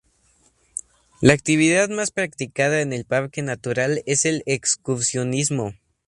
La actividad más practicada en el parque natural es el excursionismo.